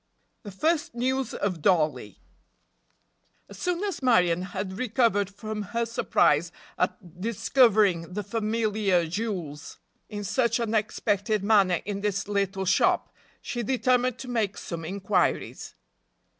THE FIRST NEWS OF DOLLIE. As soon as Marion had recovered from her surprise at discovering the familiar jewels in such an unexpected manner in this little shop, she determined to make some inquiries.